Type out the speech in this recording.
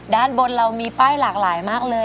ด้านบนเรามีป้ายหลากหลายมากเลย